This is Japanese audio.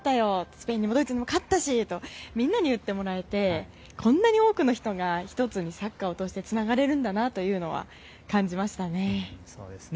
スペインにもドイツにも勝ったしとみんなに言ってもらえてこんなに多くの人が１つに、サッカーを通してつながれるんだなというのは感じましたね。